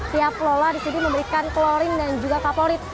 tiap lola di sini memberikan klorin dan juga kaporit